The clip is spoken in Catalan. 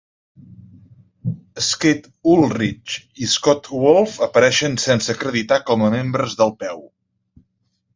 Skeet Ulrich i Scott Wolf apareixen sense acreditar com a membres del Peu.